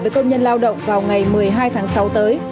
với công nhân lao động vào ngày một mươi hai tháng sáu tới